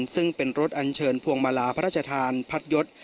ซึ่งเป็นรถอันเชิญพวงมาลาพระราชทานพัดยศ